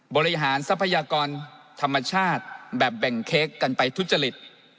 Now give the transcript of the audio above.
บริหารทรัพยากรธรรมชาติแบบแบ่งเค้กกันไปทุจริต